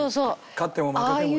勝っても負けてもね。